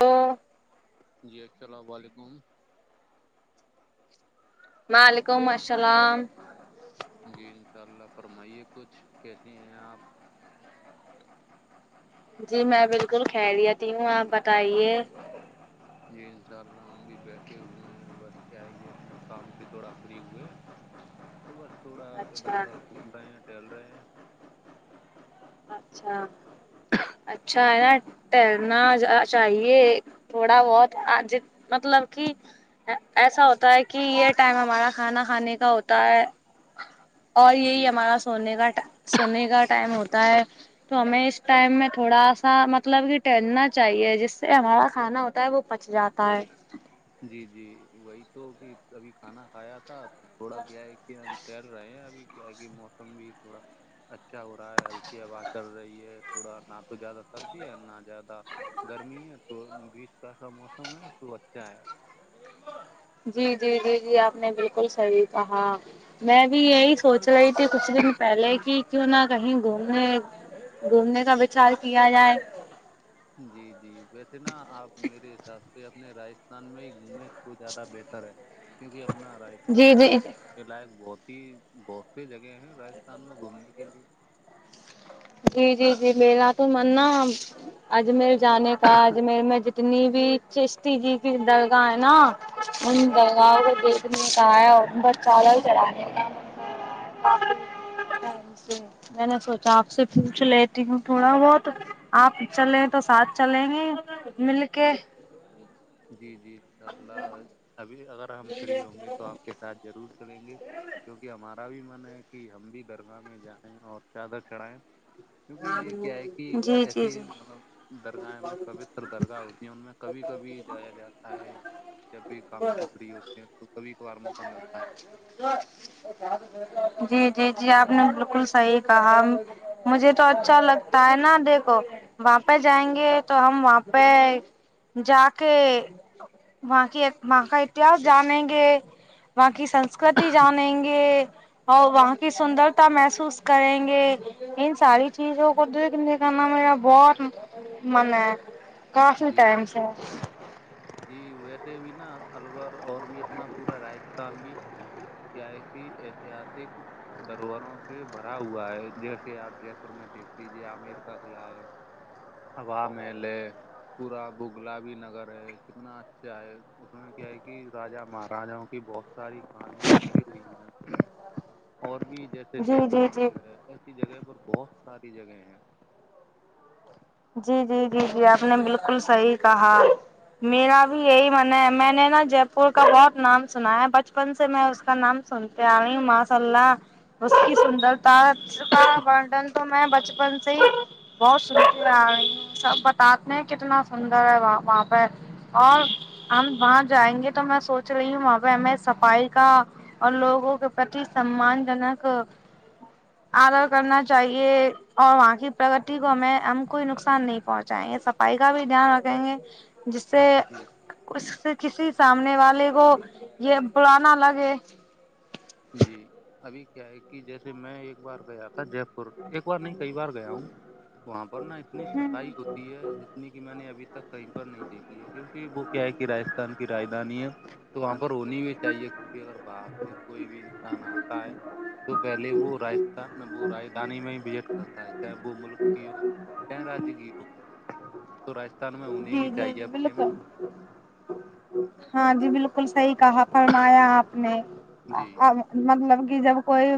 تو جی السلام علیکم وعلیکم السلام جی ان شاء اللہ فرمائیے کچھ کیسی ہیں آپ جی میں بالکل کہ لیتی ہوں آپ بتائیے جی انشاء اللہ ہم بھی بیٹھے ہوئے ہیں بس کیا ہے کہ اپنے کام سے تھوڑا فری ہوئے [unintelligible] صبح تھوڑا ادھر اچھا ادھر گھوم رہے ہیں ٹہل رہے ہیں اچھا اچھا ہے نا ہیں تیرنا چاہیے تھوڑا بہت آج مطلب کہ ایسا ہوتا ہے کہ یہ ٹائم ہمارا کھانا کھانے کا ہوتا ہے اور یہی جی ہمارا سونے کا سونے کا ٹائم ہوتا ہے تو ہمیں اس ٹائم میں تھوڑا سا مطلب کہ ٹہلنا چاہیے جس سے ہمارا کھاناتا وہ پچ جاتا ہے جی جی وہی تو کہ کبھی کھانا کھایا تھا تو تھوڑا گ ہے کہ ہم تیر رہے ہیں ابھی کیا کہ موسم بھی تھوڑا اچھا ہو رہا ہے ہلکی آواز چل رہی ہے تھوڑا نہ تو زیادہ سر کی ہے نہ زیادہ گرمی ہے تو بیچ کا سا موسم ہے تو اچھا ہے جی جی جی جی آپ نے بالکل صحیح کہا میں بھی یہی سوچ رہی تھی کچھ دن پہلے کہ کیوں نہ کہیں گھوم گھومنے کا وچار کیا جائے جی جی ویسے نا آپ میرے حساب سے اپنے راجستھان میں ہی گھومیں وہ زیادہ بہتر ہے کیونکہ اپنا جی راجستھان بھی جی یہ لائق بہت ہی بہت سی جگہ ہیں راجستھان میں گھومنے کے لیے جی جی جی میرا تو من نا اجمیر جانے کا اجمیر میں ج جتنی بھی چشٹی جی کی درگاہ ہے نا ان جی درگاہ کو دیک بسال ہی چ ج میں نے سوچا آپ سے پوچھ لیتی ہوں تھوڑا بہت آپ چلیں تو ساتھ چلیں گے مل کے جی جی انشاء اللہ ابھی اگر ہم فری ہوں گے تو آپ کے ضرور کرلیں گے کیونکہ ہمارا ہمیرا بھی من ہے کہ ہم بھی درگاہ میں جائیں اور چادر چڑھائیں کیونکہ یہ کیا ہے کہ جی جی ایسیے جی مطلب درگاہ میں پوتر درگاہ ہوتی ہیں ان میں کبھی کبھی جایا جاتا ہے جب بھی کام کھپڑری ہوتی ہیں تو کبھی کبھار موقع ملتا ہے جی جی جی آپ نے بالکل صحیح کہا مجھے تو اچھا لگتا ہے نا دیکھو وہاں پہ جائیں گے تو ہم وہاں پہ جا کے وہاں کی وہاں کا اتحس جانیں گے وہاں کی سنسکرتی جانیں گے اور وہاں کی سندرتا محسوس کریں گے ان ساری چیز وہ کدو کنے کرنا میرا بہت من ہے کافی جی ٹائم سے جی ویسے بھی نا الور اور بھی اپنا پورا راجستھان بھی کیا ہے کہ احتیاطک دروباروں سے بھرا ہوا ہے جیسے آپ جے پور میں دیکھ لیجیے عمیر کا قلا ہے ہواامیلے پورا بغلا بھی نگر ہے کتنا اچھا ہے اس میں کیا ہے کہ راجہ مہاراجاں کی بہت ساری کہانیاں چھپی ہوئی ہیں اور بھی جیسے جی جی جی جیسلمیر ہے ایسی جگہ پر بہت ساری جگہ ہیں جی جی جی جی آپ نے بالکل صحیح کہا میرا بھی یہی منع ہے میں نے نا جے پور کا بہت نام سنا ہے بچپن سے میں اس کا نام سنتے آے ماشاء اللہ اس کی سندر ت کا وردن تو میں بچپن سے ہی بہت سنا سب بتاتے ہیں کتنا سندر ہے وہاں پہ اور ہم وہاں جائیں گے تو میں سوچ رہی ہوں وہاں پہ ہمیں صفائی کا اور لوگوں کے پرتی سمان جنک آدر کرنا چاہیے اور وہاں کی پرگتی کو ہمیں ہم کوئی نقصان نہیں پہنچائیں گے صفائی کا بھی دھیان رکھیں گے جس سے جی اس سے کسی سامنے والے کو یہ بلانا لگے جی ابھی کیا ہے کہ جیسے میں ایک بار گیا تھا جے پور ایک بار نہیں کئی بار گیا ہوں وہاں پر نا اتنی ہ صفائی ہوتی ہے جتنی میں نے ابھی تک کہیں پر نہیں دیکھی ہے کیونکہ وہ کیا ہے کہاجستھان کی رجدانی ہے تو وہاں پر رونی بھی چاہیے کیونکہ اگر بپ سے کوئی بھی انسان آتا ہے تو پہلے وہ رائتے وہ رجدانی میں ہی وزٹ کرتا ہے چے وہ ملک کی ہو ک رج کی ہو تو راجستھان میں ہونی بھی چاہیے اپنے میں [unintelligible] ہاں جی بالکل صحی کہا فرمایا آپ نے جی مطلب کہ جب کوئی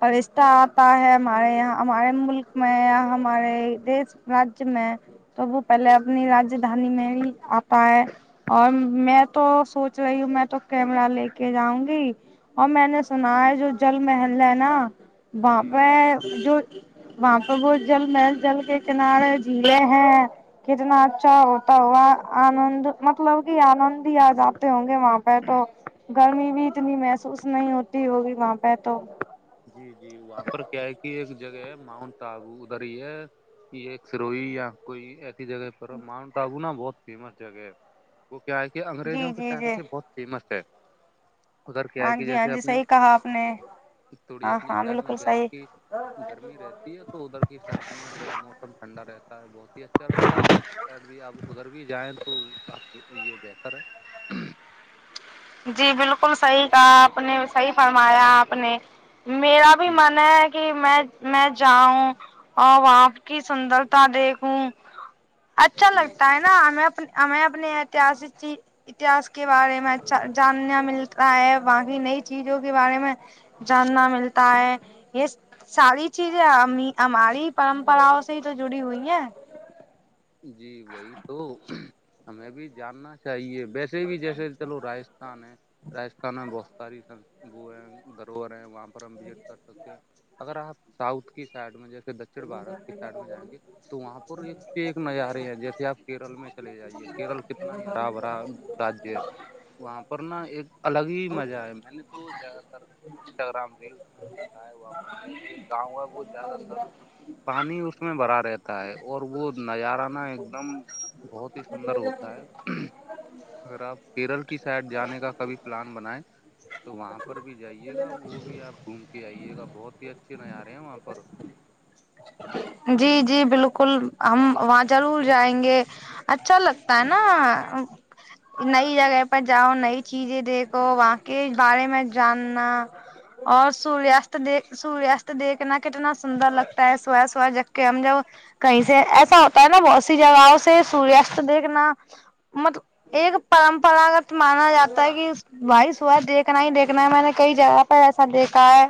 فشتہ آتا ہے ہمارے یہاں ہمارے ملک میں ہمارے دیش اج میں تو وہ پہلے اپنی رجدھانی میں ہی آ پائے اور میں تو سوچ رہی ہوں میں تو کیمرا لے کے جاؤں گی اور میں نے سنا ہے جو جل محل ہے نا جی جی جو وہاں پہ وہہت جل محل جل کے کنارے جھیلیں ہیں کتنا اچھا ہوتا ہوا آنند مطلب کہ آنند بھی یاد آتے ہوں گے وہاں پہ تو گرمی بھی اتنی محسوس نہیں ہوتی ہوگی وہاں پہ تو جی جی وہاں پر کیا ہے کہ ایک جگہ ہے ماؤنٹ ٹابو ادھر ہی ہے کہ ایک سروئی یا کوئی ایسی جگہ پر ماؤنٹ آٹابو نہا بہت فیمس جگہ ہے وہ کیا ہے کہ جی انگریزوں کے جی ٹائم جی سے بہت فیمس ہے ادھر کیا ہے ہاں کہ جی ہاں جیسے جی اپنے صحیح کہا آپ نے تھوڑی ہاں اپنی ہاں سائڈ میں بالکل کیا ہے صحیح کہ گرمی رہتی ہے تو ادھر کی سائڈ میں تھڑ تھوڑاوسم ٹھنڈا رہتا ہے بہت ہی اچھا لگتا ہے بھی آپ ادھر بھی جائیں تو آپ یہ بہتر ہے جی بالکل صحیح کہ آپ نے صحیح فرمایا آپ نے میرا بھی جی من ہے کہ میں میں جاؤں اور وہپ کی سندرتا دیکھوں اچھا جی جی لگتا ہے نا ہمیں ہمیں اپنے ایتسک اتحس کے بارے میں جاننا ملتا ہے وہاں کی نئی چیزوں کے بارے میں جاننا ملتا ہے یہ ساری چیزیں ہماری پرمپراؤ سے ہی تو جڑی ہوئی ہیں جی وہی تو ہمیں بھی جاننا چاہیے بیس سے بھی جیسے چلو راجستھان ہے راجستھان میں بہت ساری سنبو ہیں دروہور ہیں وہاں م بزٹ کر سکتے ہیں اگر آپ ساؤتھ کی سائڈ میں جیسے دکن دکر بھارت کے سائڈ میں جائیں گے تو وہاں پر یہ نظارے ہیں جیسے آپ کیرل میں چلے جائیے کیرل کتنا ہی ہرا بھرا رجیہ ہے وہاں پر نا ایک الگ ہی مزہ ہے میں نے تو زیادہ تر انسٹاگررام ریلس میں دیکھا ہے وہاں پر کیا کہ ایک گاؤں ہے وہ زیادہ تر پانی اس میں بھرا رہتا ہے اور وہ نظارہ ن نہ ایک دم بہت ہی سندر ہوتا ہے اگر آپ کیرل کی سائڈ جانے کا کبھی پلان بنائیں تو وہاں پر بھی جائیے گا وہ بھی آپ گھوم کے آئیے گا بہت ہی اچھے نظارے ہیں وہاں پر جی جی بالکل ہم وہاں ضرور جائیں گے اچھا لگتا ہے نا نئی جگہ پر جاؤ نئی چیزیں دیکھو وہاں کے بارے میں جاننا اور سوریاست دیکھ سوریاست دیکھنا کتنا سندر لگتا ہے سو سا جگ کے ہم جا کہیں سے ایسا ہوتا ہے نا بہت سی جگہوں سے سوریاست دیکھنا مطل ایک پرمپراگت مانا جاتا ہے کہ بائی سوا دیکھنا ہی دیکھنا ہے میں نے کئی جگہ پر ایسا دیکھا ہے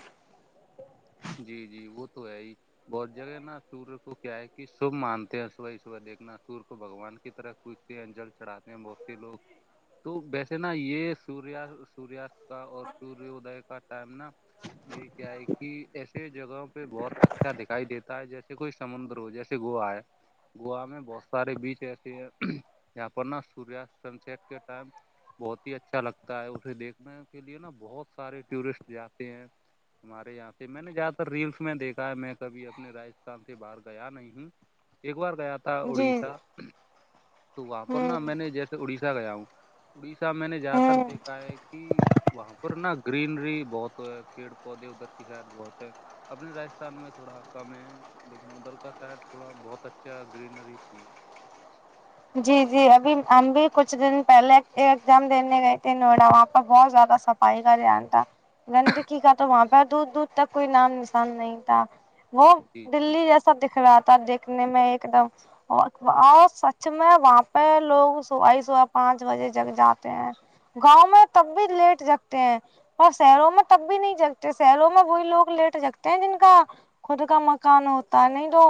جی جی وہ تو ہے ہی بہت جگہ نا سوریہ کو کیا ہے کہ سب مانتے ہیں صبح ہی صبح دیکھنا سور کو بگوان کی طرحچھ انجل چڑھاتے ہیں بہت سے لوگ تو ویسے نا یہ سور سوریاست کا اور سورد کا ٹائم نا یہ کیا ہے کہ ایسے جگہوں پہ بہت اچھا دکھائی دیتا ہے جیسے کوئی سمندر ہو جیسے گوا ہے گوا میں بہت سارے بیچ ایسے ہیں جاں پر نا سوریہ سن سٹ کے ٹائم بہت ہی اچھا لگتا ہے اسے دیکھنے کے لیے نا بہت سارے ٹورسٹ جاتے ہیں ہمہارے یہاں میں نے زیادہ تر ریلس میں دیکھا ہے میں کبھی اپنے راجستھان سے باہر گیا نہیں ہوں ایک بار گیا تھا جی اڑیسہ تو وہاں پر ہوں نا میں نے جیسے اڑیسہ گیا ہوں اڑیسہ میں نے زیادہ تر ہوں دیکھا ہے کہ وہاں پر نا گرینری بہت ہے پیڑ پودے ادھر کی شاید بہت ہے اپنے راجستھان میں تھوڑا کم ہے لیکن ادھر کا سائڈ تھوڑا بہت اچھا گرینری تھی جی جی ابھی ہم بھی کچھ دن پہلے ایگزام دینے گئے تھے نوئیڈا وہاں پر بہت زیادہ سب پائی کا دھیان تھا گندکی کا تو وہاں پہ دور دور تک کوئی نامو نشان نہیں تھا وہ جی جی دلی جیسا دکھ رہا تھا دیکھنے میں ایک دم اور سچ میں وہاں پہ لوگ صبح ہی صبح پانچ بجے جگ جاتے ہیں گاؤں میں تب بھی لیٹ جگتے ہیں اور شہروں میں تب بھی نہیں جگتے شہروں میں وہی لوگ لیٹ جگتے ہیں جن کا خود کا مکان ہوتا ہے نہیں تو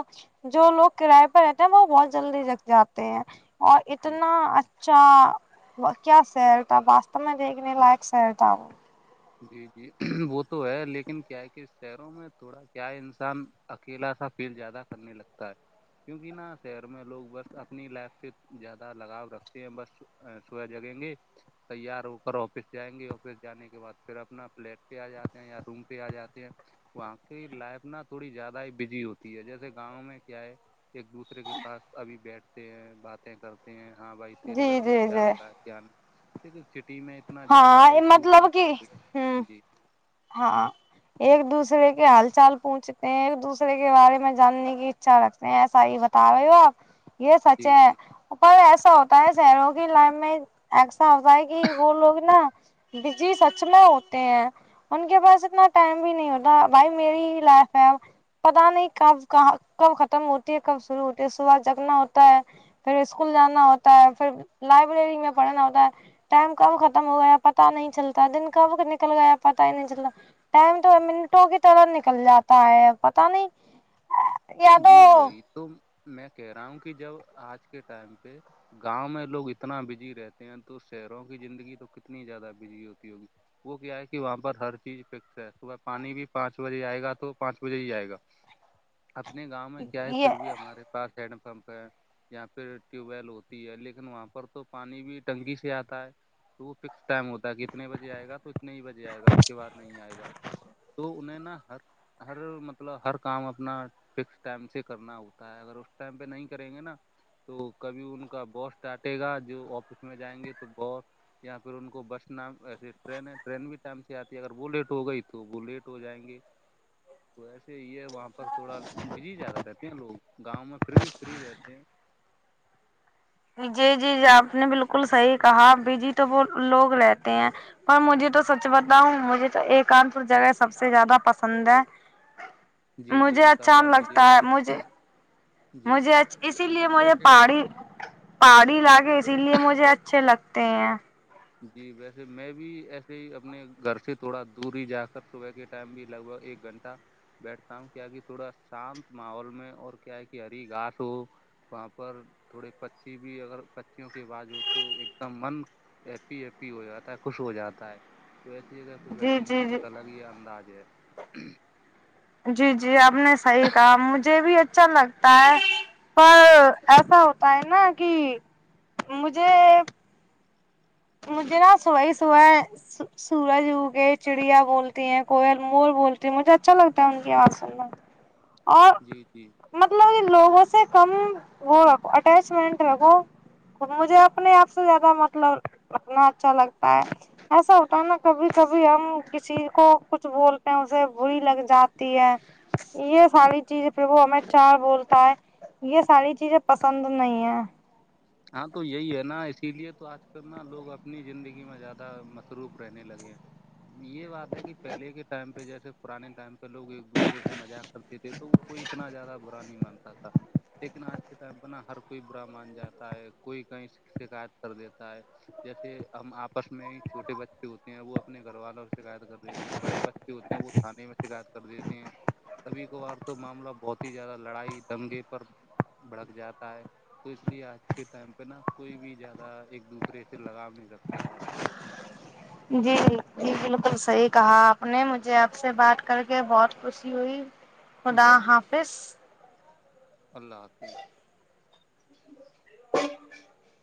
جو لوگ کراائے پہ رہتے ہیں وہ بہت جلدی جک جاتا اور جی اتنا اچھا کیا شہر تھا واستو می دیکھنے لائق شہر تھا وہ جی جی وہ تو ہے لیکن کیا ہے کہ شہروں میں تھوڑا کیا ہے انسان اکیلا سا فیل زیادہ کرنے لگتا ہے کیونکہ نا شہر میں لوگ بس اپنی لائف سے زیادہ لگاؤ رکھتے ہیں بس سبح جگیں گے تیار ہو کر آفس جائیں گے آفس جانے کے بعد پھر اپنا پلیٹ پہ آ جاتے ہیں یا روم پہ آ جاتے ہیں وہاں کی لائف نا تھوڑی زیادہ ہی بزی ہوتی ہے جیسے گاؤں میں کیا ہے ایک دوسرے کے پاس ابھی بیٹھتے ہیں باتیں کرتے ہیں ہاں بھائی تیرے جی گھر میں جی کیا جی ہو رہا ہے کیا لیکن سٹی می ہاں مطلب کہ ہ جی ہاں ایک دوسرے کے ہال چال پوچھنے ایک دوسرے کے بارے میں جاننے کی اچھا رکھتے ہیں ایسا ہی بتا رہے ہو آپ یہ سچ جی ہے جی پر ایسا ہوتا ہے شہروں کی لائن میں ایسا ہوتا ہے کہ وہ لوگ نا بجی سچ میں ہوتے ہیں ان کے پاس اتنا ٹائم بھی نہیں ہوتا بھائی میری ہی لائف ہے ا پتا نہیں کب کہاں کب ختم ہوتی ہے کب شروع ہوتی ہے سبھا جاگنا ہوتا ہے پھر اسکول جانا ہوتا ہے پھر لائبریری میں پڑھنا ہوتا ہے ٹائم کب ختم ہو گیا پتا نہیں چلتا دن کب نکل گیا پتا ہی نہیں چلتا ٹائم تو منٹوں کی طرح نکل جاتا ہے پتا نہیں یا تو جی وہی تو میں کہہ رہا ہوں کہ جب آج کے ٹائم پہ گاؤں میں لوگ اتنا بزی رہتے ہیں تو شہروں کی زندگی تو کتنی زیادہ بزی ہوتی ہوگی وہ کیا ہے کہ وہاں پر ہر چیز فکس ہے صبح پانی بھی پانچ بجے آئے گا تو پانچ بجے ہی آئے گا اپنے گاؤں میں کیا ہے یہ پھر بھی ہمارے پاس ہینڈ پمپ ہے یہاں پہ ٹیوب ویل ہوتی ہے لیکن وہاں پر تو پانی بھی ٹنکی سے آتا ہے تو فکس ٹائم ہوتا ہے کی اتنے بجے آئے گا اتنے ہی بجے آئے گا اس کے بعد نہیں آئے گا تو انہیں نا ہر ہر مطلب ہر کام اپنا فکس ٹائم سے کرنا ہوتا ہے اگر اس ٹائم پہ نہیں کریں گے نا تو کبھی ان کا باس ٹٹے گا جو آفس میں جائیں گے تو باس یا پھر ان کو بس نام ایسے ٹرین ہے ٹرین بھی ٹائم سے آتی ہے اگر وہ لیٹ ہو گئی تو تو وہ لیٹ ہو جائیں گے تو ایسے یہ ہے وہاں پر تھوڑا بزی زیادہ رہے ہیں لوگ گاؤں میں پھر بھی فری رہتے ہیں جی جی جی آپ نے بالکل صحیح کہا بڑی تو وہ لوگ رہتے ہیں اور مجھے تو سچ بتاؤ مجھے تو یو کانپور جگہ سب سے زیادہ پسند ہے جی جی مجھے انشاء اچھا اللہ مجھے لگتا ہے بھی مجھے جی مجھے اسی بھی لیے نا مجھے ویسے پہاڑی پہاڑی لاگے اسی لیے مجھے اچھے لگتے ہیں جی ویسے میں بھی ایسے ہی اپنے گھر سے تھوڑا دور ہی جا کر صبح کے ٹائم بھی لگ بھگ ایک گھنٹہ بیٹھتا ہوں کیا کہ تھوڑا شانت ماحول میں اور کیا ہے کہ ہری گاس ہو وہاں پر تھوڑے پچی بھی اگر پچیوں کی آواز ہو تو ایک دم من ایپی ایپی ہو جاتا ہے خوش ہو جاتا ہے تو ایسی جگہ پہ جی بیٹھنے جی کا جی ایک الگ ہی انداز ہے جی جی اب نے صحیح کہا مجھے بھی اچھا لگتا ہے پر ایسا ہوتا ہے نا کہ مجھے مجھے نا صب ہی سبح سورج اگ چڑیا بولتی ہیں کوئل مور بولتی ہے مجھے اچھا لگتا ہے ان کی آواز سلم اور جی جی مطلب لوگوں سے کم وہ رکھو اٹیچمنٹ رکھو مجھے اپنے آپ سے زیادہ مطلب انا اچھا لگتا ہے ایسا ہوتا ہے نا کبھی کبھی ہم کسی کو کچھ بولتے ہیں اسے بری لگ جاتی ہے یہ ساری چیز پربو امیت شاہ بولتا ہے یہ ساری چیزیں پسند نہیں ہے ہاں تو یہی ہے نا اسی لیے تو آج کل نا لوگ اپنی زندگی میں زیادہ مصروف رہنے لگے یہ بات ہے کہ پہلے کے ٹائم پہ جیسے پرانے ٹائم پہ لوگ ایک دوسرے سے مذاق کرتے تھے تو وہ کوئی اتنا زیادہ برا نہیں مانتا تھا لیکن آج کے ٹائم پہ نا ہر کوئی برہمن جاتا ہے کوئی کہیں شکایت کر دیتا ہے جیسے ہم آپ بس میں ہی چھوٹے بچے ہوتے ہیں وہ اپنے گھر والوں سے شکایت کر دیتے ہیں بڑے بچے ہوتے ہیں وہ کانے میں شکایت کر دیتے ہیں کبھی کبھار تو معاملہ بہت ای زیادہ لڑائی دگے پر بھڑک جاتا ہے تو اس لیے آج کے ٹائم پہ نا کوئی بھی زیادہ ایک دوسرے سے لگا نہیں رکھتا ہے جی جی بالکل صحیح کہا آپ نے مجھے آپ سے بات کر کے بہت خوشی ہوئی خدا جی حافظ اللہ حافظ [unintelligible]